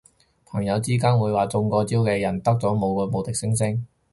朋友之間會話中過招嘅人得到咗無敵星星